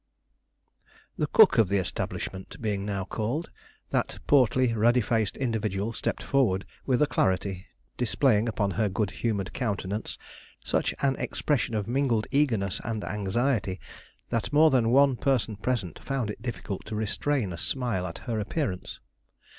The cook of the establishment being now called, that portly, ruddy faced individual stepped forward with alacrity, displaying upon her good humored countenance such an expression of mingled eagerness and anxiety that more than one person present found it difficult to restrain a smile at her appearance.